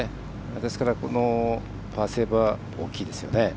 ですから、このパーセーブは大きいですね。